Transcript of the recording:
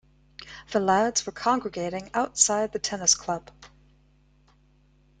The lads were congregating outside the tennis club.